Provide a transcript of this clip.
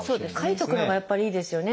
書いておくのがやっぱりいいですよね。